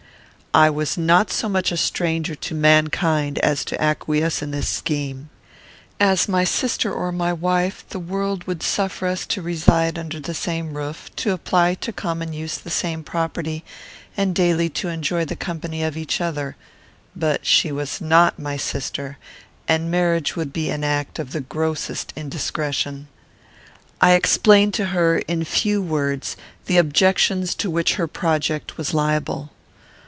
No. I was not so much a stranger to mankind as to acquiesce in this scheme. As my sister or my wife, the world would suffer us to reside under the same roof; to apply to common use the same property; and daily to enjoy the company of each other; but she was not my sister, and marriage would be an act of the grossest indiscretion. I explained to her, in few words, the objections to which her project was liable.